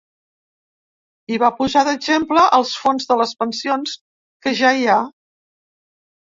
I va posar d’exemple el fons de les pensions que ja hi ha.